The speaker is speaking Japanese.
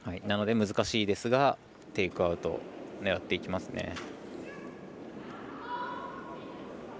なので難しいですがテイクアウト狙っていきますね。